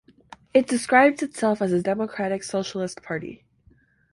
It describes itself as a democratic socialist party.